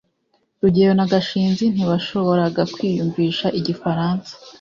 rugeyo na gashinzi ntibashoboraga kwiyumvisha igifaransa